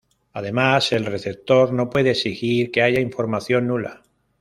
Además, el receptor no puede exigir que haya información nula.